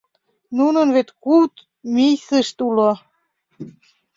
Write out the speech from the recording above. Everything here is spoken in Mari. — Нунын вет куд мыйсышт уло?